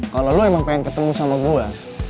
kalau lo emang pengen ketemu sama gue